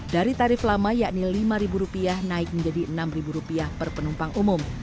dari tarif lama yakni rp lima naik menjadi rp enam per penumpang umum